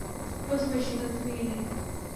প্রথমে সিদ্ধান্ত নিয়ে নে।